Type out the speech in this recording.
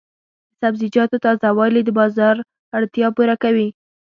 د سبزیجاتو تازه والي د بازار اړتیا پوره کوي.